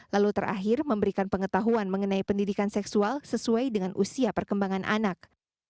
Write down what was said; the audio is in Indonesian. lalu terakhir memberikan pengetahuan mengenai pendidikan seksual sesuai dengan usia perkembangan anak